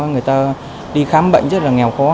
người ta đi khám bệnh rất là nghèo khó